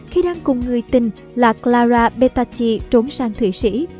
khi đang cùng người tên clara bertacci trốn sang thụy sĩ